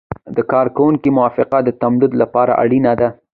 د کارکوونکي موافقه د تمدید لپاره اړینه ده.